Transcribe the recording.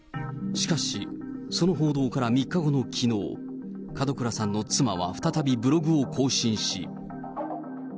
しかし、その報道から３日後のきのう、門倉さんの妻は再びブログを更新し。